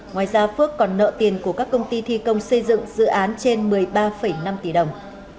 ngoài ra phước còn nợ tiền của các công ty thi công xây dựng dự án trên một mươi ba năm tỷ đồng